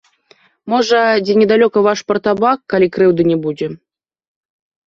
Можа, дзе недалёка ваш партабак, калі крыўды не будзе.